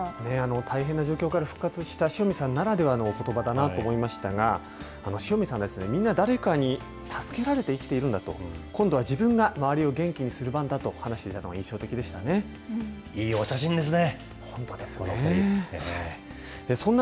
大変な状況から復活した塩見さんならではのおことばだなと思いましたが、塩見さんですね、みんな誰かに助けられて生きているんだと、今度は自分が周りを元気にする番だと話していたのが印象いいお写真ですね。